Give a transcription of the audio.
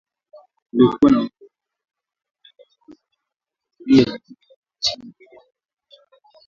Kulikuwa na ongezeko la bei ya mafuta katika vituo vya kuuzia katika nchi nyingine za Afrika Mashariki